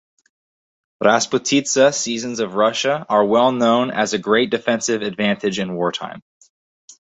"Rasputitsa" seasons of Russia are well known as a great defensive advantage in wartime.